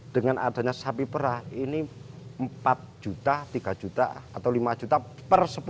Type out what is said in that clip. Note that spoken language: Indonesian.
dengan adanya sapi perah ini empat juta tiga juta atau lima juta per sepuluh